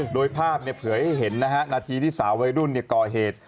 โดยภาพเผยให้เห็นนะฮะนาทีที่สาววัยรุ่นก่อเหตุ